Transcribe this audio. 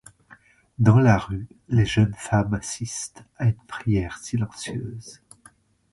Dans la rue, les jeunes femmes assistent à une prière silencieuse.